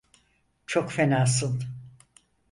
Çok fenasın.